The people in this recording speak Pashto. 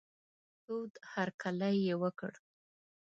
تود هرکلی یې وکړ.